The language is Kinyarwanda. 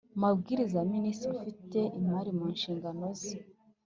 mabwiriza ya Minisitiri ufite imari mu nshingano ze